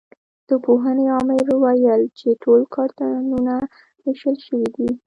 د پوهنې امر ویل چې ټول کارتونه وېشل شوي دي.